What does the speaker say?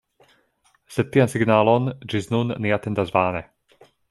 Sed tian signalon ĝis nun ni atendas vane.